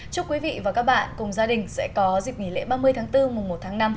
chúc quý vị và các bạn cùng gia đình sẽ có dịp nghỉ lễ ba mươi tháng bốn mùa một tháng năm